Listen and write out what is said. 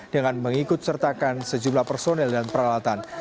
dengan mengikut sertakan sejumlah personel dan peralatan